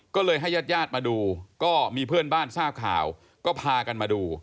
ก็เลยให้ญาติญาติมาดูก็มีเพื่อนบ้านทราบข่าวก็พากันมาดู